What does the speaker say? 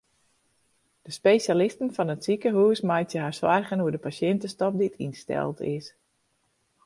De spesjalisten fan it sikehús meitsje har soargen oer de pasjintestop dy't ynsteld is.